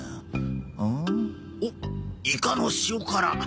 うんおっイカの塩辛。